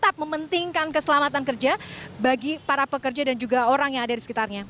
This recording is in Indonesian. tetap mementingkan keselamatan kerja bagi para pekerja dan juga orang yang ada di sekitarnya